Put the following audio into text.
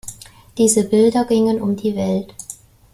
Diese Bilder gingen um die Welt.